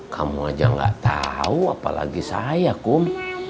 kamu aja gak tahu apalagi saya kum